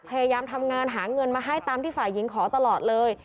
พยายามทำงานหาเงินมาให้ตามที่ฝ่ายหญิงขอตลอดเลย